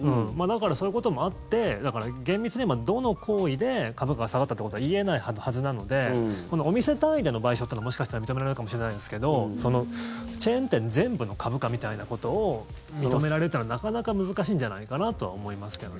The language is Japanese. そういうこともあってだから、厳密に言えばどの行為で株価が下がったってことは言えないはずなのでお店単位での賠償とかはもしかしたら認められるかもしれないですけどチェーン店全部の株価みたいなことを認められるというのは、なかなか難しいんじゃないかなとは思いますけどね。